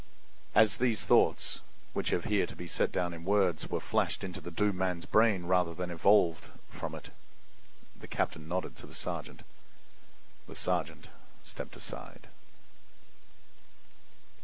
As these thoughts, which have here to be set down in words, were flashed into the doomed man's brain rather than evolved from it the captain nodded to the sergeant. The sergeant stepped aside.